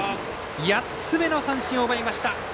８つ目の三振を奪いました。